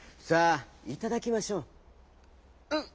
さあいただきましょう」。